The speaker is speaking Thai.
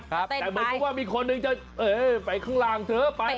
แต่เหมือนกับว่ามีคนนึงจะเอ่่อไปข้างล่างเถอะ